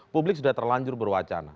publik sudah terlanjur berwacana